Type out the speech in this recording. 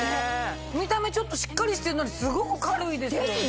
見た目しっかりしてるのにすごく軽いですね。